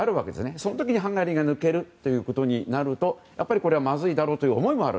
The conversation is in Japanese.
その時にハンガリーが抜けることになるとやっぱりまずいだろうという思いもある。